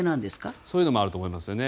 そういうのもあると思いますよね。